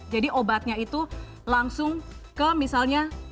jadi obatnya itu langsung ke misalnya